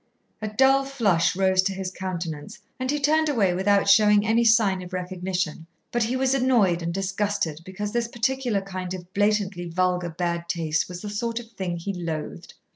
A dull flush rose to his countenance, and he turned away without showing any sign of recognition; but he was annoyed and disgusted, because this particular kind of blatantly vulgar bad taste was the sort of thing he loathed.